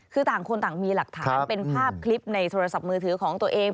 คือต่างคนต่างมีหลักฐานเป็นภาพคลิปในโทรศัพท์มือถือของตัวเอง